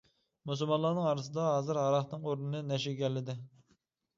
مۇسۇلمانلارنىڭ ئارىسىدا ھازىر ھاراقنىڭ ئورنىنى نەشە ئىگىلىدى.